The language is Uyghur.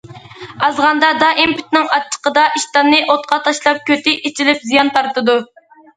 ئازغاندا دائىم پىتنىڭ ئاچچىقىدا ئىشتاننى ئوتقا تاشلاپ كۆتى ئېچىلىپ زىيان تارتىدۇ.